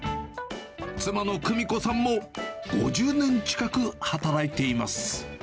妻のくみ子さんも、５０年近く働いています。